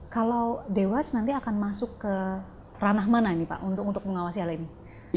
kalau dewas nanti akan masuk ke ranah mana ini pak untuk mengawasi hal ini